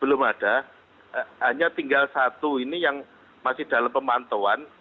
belum ada hanya tinggal satu ini yang masih dalam pemantauan